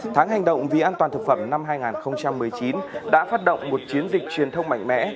tháng hành động vì an toàn thực phẩm năm hai nghìn một mươi chín đã phát động một chiến dịch truyền thông mạnh mẽ